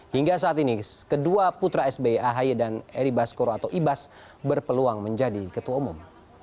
hingga saat ini kedua putra sbi ahaye dan eribaskoro atau ibas berpeluang menjadi ketua umum